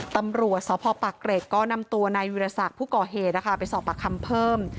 ตำรวจสพเกรกก็นำตัวนายวิทยาศาสตร์ผู้ก่อเหตุไปสอบปากคำเพิ่ม